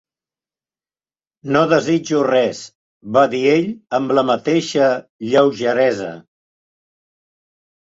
"No desitjo res", va dir ell amb la mateixa lleugeresa.